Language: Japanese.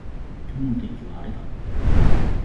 今日の天気は晴れだ。